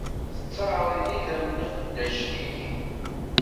Ttttaṛ n idammen n iqeddacen-ik.